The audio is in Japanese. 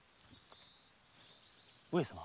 上様